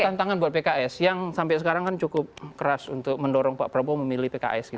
tantangan buat pks yang sampai sekarang kan cukup keras untuk mendorong pak prabowo memilih pks gitu